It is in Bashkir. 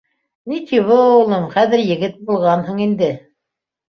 — Ничего, улым, хәҙер егет булғанһың инде.